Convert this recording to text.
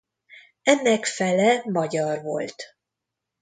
Ennek fele magyar volt.